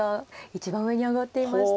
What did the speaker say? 一番上に上がっていました。